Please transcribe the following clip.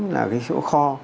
là chỗ kho